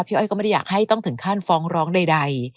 อ้อยก็ไม่ได้อยากให้ต้องถึงขั้นฟ้องร้องใด